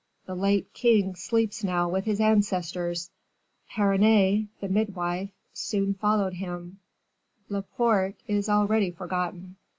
The late king sleeps now with his ancestors; Perronnette, the midwife, soon followed him; Laporte is already forgotten."